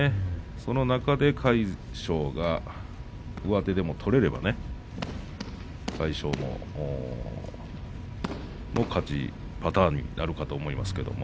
その中で魁勝が上手でも取れればね魁勝の勝ちパターンになるかと思います。